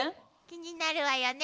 気になるわよね。